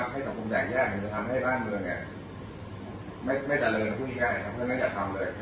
ให้สังคมแยกแยกจะทำให้บ้านเมืองไม่เจริญพูดง่ายไม่งั้นอย่าทำเลย